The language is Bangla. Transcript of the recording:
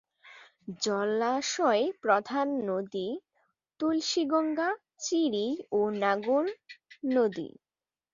জলাশয় প্রধান নদী: তুলসিগঙ্গা, চিরি ও নাগর নদী।